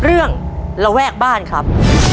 เรื่องระแวกบ้านครับ